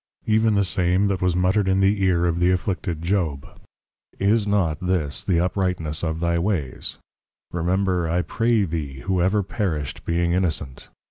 E'en the same that was mutter'd in the Ear of the Afflicted Job, _Is not this the Uprightness of thy Ways? Remember, I pray thee, who ever perished, being Innocent?